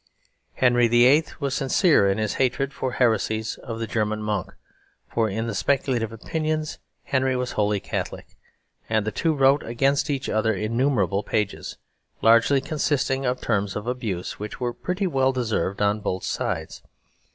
Henry VIII. was sincere in his hatred for the heresies of the German monk, for in speculative opinions Henry was wholly Catholic; and the two wrote against each other innumerable pages, largely consisting of terms of abuse, which were pretty well deserved on both sides.